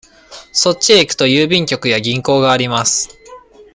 そっちへ行くと、郵便局や銀行があります。